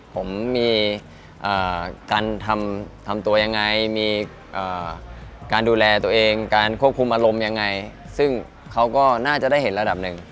ผมมีการทำตัวยังไงมีการดูแลตัวเองการควบคุมอารมณ์ยังไงซึ่งเขาก็น่าจะได้เห็นระดับหนึ่ง